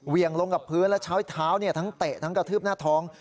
ยงลงกับพื้นแล้วใช้เท้าทั้งเตะทั้งกระทืบหน้าท้อง